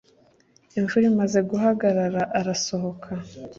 Imvura imaze guhagarara, arasohoka.